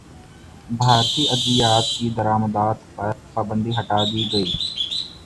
بھارتی ادویات کی درمدات پر پابندی ہٹادی گئی